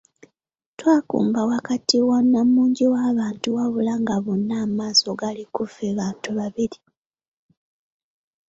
Twakumba wakati mu nnamungi w'abantu wabula nga bonna amaaso gali ku ffe bantu babiri.